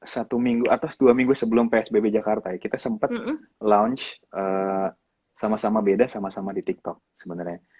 satu minggu atau dua minggu sebelum psbb jakarta ya kita sempat launch sama sama beda sama sama di tiktok sebenarnya